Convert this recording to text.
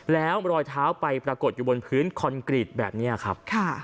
แล้วรอยเท้าไปปรากฏอยู่บนพื้นคอนกรีตแบบนี้ครับ